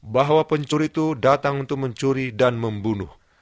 bahwa pencuri itu datang untuk mencuri dan membunuh